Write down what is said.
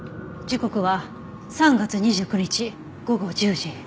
時刻は３月２９日午後１０時。